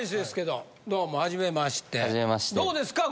どうですか？